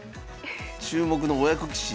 「注目の親子棋士」